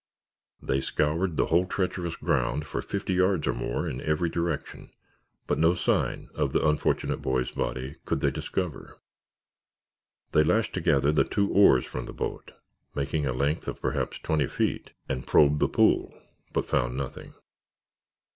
They scoured the whole treacherous ground for fifty yards or more in every direction, but no sign of the unfortunate boy's body could they discover. They lashed together the two oars from the boat, making a length of perhaps twenty feet, and probed the pool but found nothing.